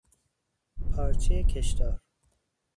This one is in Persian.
پارچهی کشدار